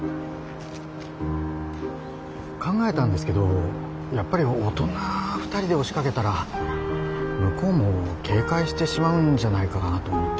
考えたんですけどやっぱり大人２人で押しかけたら向こうも警戒してしまうんじゃないかなと思って。